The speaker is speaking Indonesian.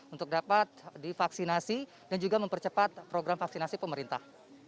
untuk dapat divaksinasi dan juga mempercepat program vaksinasi pemerintah